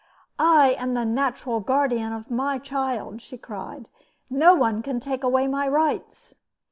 "I am the natural guardian of my child," she cried. "No one can take away my rights!"